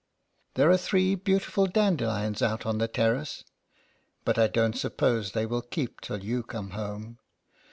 There are three beautiful dan delions out on the terrace, but I 34 LETTERS FROM A CAT. don't suppose they will keep till you come home.